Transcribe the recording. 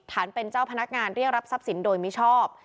เป็นเจ้าพนักงานเรียกรับทรัพย์สินโดยมิชอบ